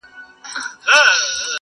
تاسي ځئ ما مي قسمت ته ځان سپارلی!